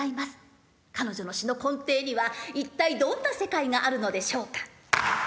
彼女の詩の根底には一体どんな世界があるのでしょうか。